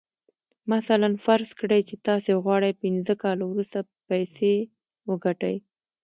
مثلاً فرض کړئ چې تاسې غواړئ پينځه کاله وروسته پيسې وګټئ.